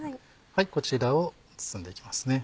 こちらを包んで行きますね。